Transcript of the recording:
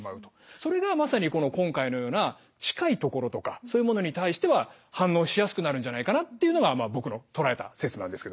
それがまさに今回のような近いところとかそういうものに対しては反応しやすくなるんじゃないかなっていうのが僕の唱えた説なんですけど。